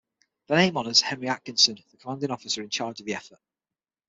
The name honors Henry Atkinson, the commanding officer in charge of the effort.